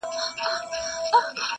o چي سیالي وي د قلم خو نه د تورو.